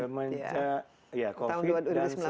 sejak covid sembilan belas dan semenjak didirikannya